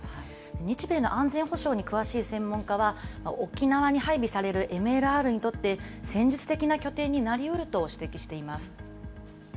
日米の安全保障に詳しい専門家は、沖縄に配備されるＭＬＲにとって、戦術的な拠点になりうると指摘しています。